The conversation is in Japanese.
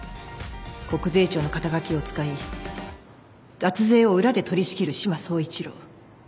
国税庁の肩書を使い脱税を裏で取り仕切る志摩総一郎